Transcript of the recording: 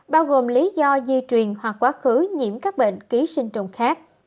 bao gồm lý do di truyền hoặc quá khứ nhiễm các bệnh ký sinh trùng khác